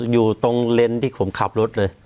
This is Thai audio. อยู่ตรงเลนส์ที่ผมขับรถเลย